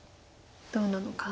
どうなのか。